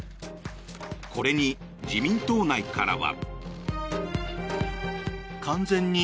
これに自民党内からは。